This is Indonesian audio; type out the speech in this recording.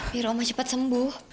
biar oma cepat sembuh